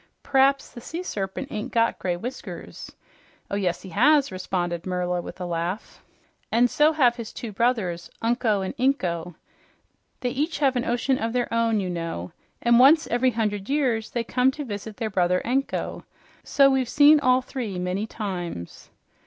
P'raps the sea serpent ain't got gray whiskers." "Oh yes he has," responded Merla with a laugh. "And so have his two brothers, Unko and Inko. They each have an ocean of their own, you know; and once every hundred years they come here to visit their brother Anko. So we've seen all three many times."